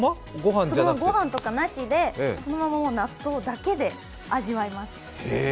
ご飯とかなしでそのまま納豆だけで味わいます。